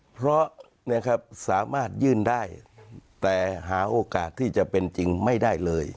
เพราะสามารถยื่นได้แต่หาโอกาสที่จะเป็นจริงไม่ได้เลย